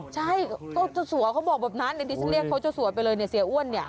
ใช่ก็เจ้าสัวเขาบอกแบบนั้นดิฉันเรียกเขาเจ้าสัวไปเลยเนี่ยเสียอ้วนเนี่ย